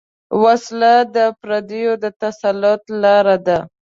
وسله د پردیو د تسلط لاره ده